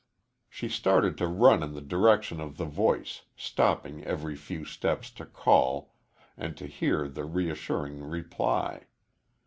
She started to run in the direction of the voice, stopping every few steps to call, and to hear the reassuring reply.